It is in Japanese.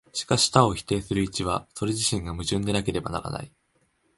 しかし多を否定する一は、それ自身が矛盾でなければならない。